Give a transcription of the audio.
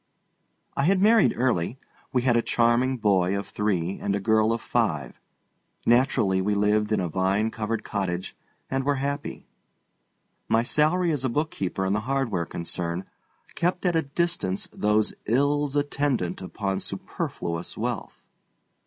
I had married early. We had a charming boy of three and a girl of five. Naturally, we lived in a vine covered cottage, and were happy. My salary as bookkeeper in the hardware concern kept at a distance those ills attendant upon superfluous wealth.